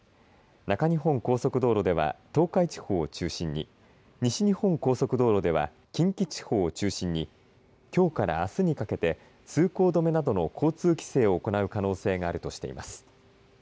中日本高速道路では東海地方を中心に西日本高速道路では近畿地方を中心にきょうからあすにかけて通行止めなどの交通規制を行う可能性があるとしています。